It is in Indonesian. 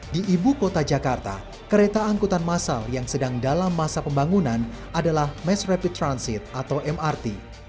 di ibu kota jakarta kereta angkutan masal yang sedang dalam masa pembangunan adalah mass rapid transit atau mrt